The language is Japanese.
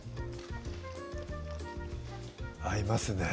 合いますね